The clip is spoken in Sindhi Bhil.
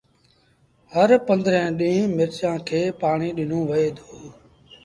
هر پنڌرين ڏيݩهآ ن مرچآݩ کي پآڻي ڏنو وهي دو